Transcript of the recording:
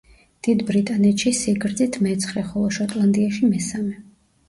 დიდ ბრიტანეთში სიგრძით მეცხრე, ხოლო შოტლანდიაში მესამე.